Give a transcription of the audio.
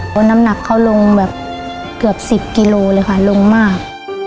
เพราะน้ำหนักเขาลงแบบเกือบ๑๐กิโลเลยค่ะลงมาก